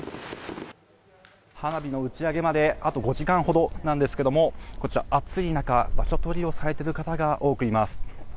花火の打ち上げまであと５時間ほどなんですけど暑い中、場所取りをされている方が多くいます。